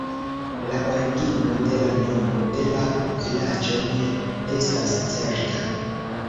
La origino de la nomo de la vilaĝo ne estas certa.